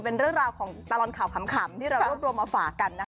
เป็นเรื่องราวของตลอดข่าวขำที่เรารวบรวมมาฝากกันนะคะ